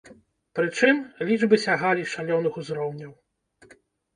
Прычым, лічбы сягалі шалёных узроўняў.